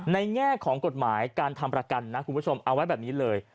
แง่ของกฎหมายการทำประกันนะคุณผู้ชมเอาไว้แบบนี้เลย